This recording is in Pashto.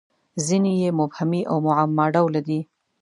• ځینې یې مبهمې او معما ډوله دي.